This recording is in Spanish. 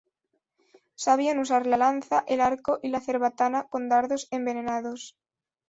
Sabían usar la lanza, el arco y la cerbatana con dardos envenenados.